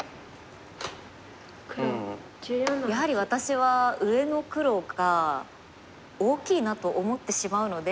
やはり私は上の黒が大きいなと思ってしまうので。